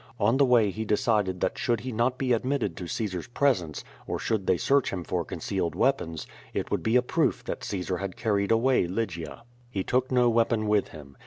On the way he decided that should he not be admitted to Caesar's presence, or should they search him for concealed weapons, it would be a proof that Caesar had car ried away Lygia. He took no weapon with him.